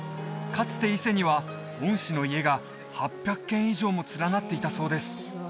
かつて伊勢には御師の家が８００軒以上も連なっていたそうです